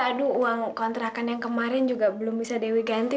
aduh uang kontrakan yang kemarin juga belum bisa dewi ganti